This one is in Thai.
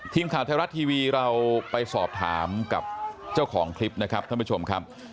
ทีมข่าวไทยรัฐทีวีเราไปสอบถามกับเจ้าของคลิปนะครับท่านผู้ชมครับ